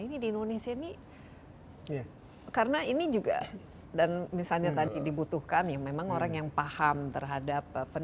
ini di indonesia ini karena ini juga dan misalnya tadi dibutuhkan ya memang orang yang paham terhadap